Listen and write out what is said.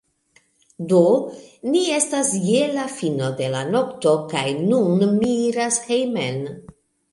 Do, ni estas je la fino de la nokto kaj nun mi iras hejmen